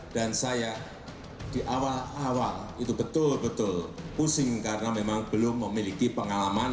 dan saya di awal awal itu betul betul pusing karena memang belum memiliki pengalaman